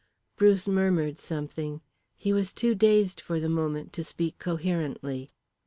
Bruce murmured something. He was too dazed for the moment to speak coherently.